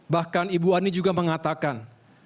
bahkan ibu ani juga mengatakan